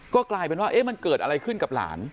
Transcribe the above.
ก็กลายเป็นว่ามันเกิดอะไรขึ้นกับหลาน